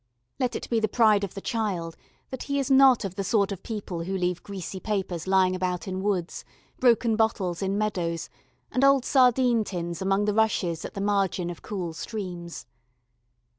Let it be the pride of the child that he is not of the sort of people who leave greasy papers lying about in woods, broken bottles in meadows, and old sardine tins among the rushes at the margin of cool streams.